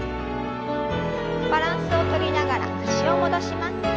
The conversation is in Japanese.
バランスをとりながら脚を戻します。